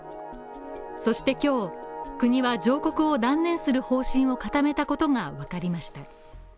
そして今日、国は上告を断念する方針を固めたことがわかりました。